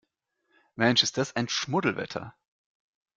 Mensch, ist das ein Schmuddelwetter!